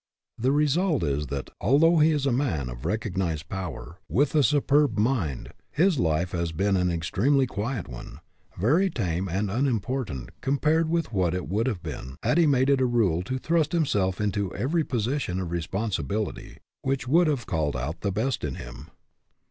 The result is that, although he is a man of recog nized power, with a superb mind, his life has been an extremely quiet one, very tame and unimportant compared with what it would have been had he made it a rule to thrust him self into every position of responsibility which would have called out the best in him.